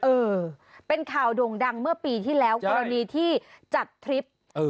เออเป็นข่าวโด่งดังเมื่อปีที่แล้วกรณีที่จัดทริป